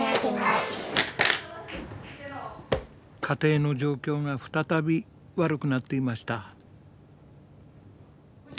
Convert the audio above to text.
家庭の状況が再び悪くなっていました。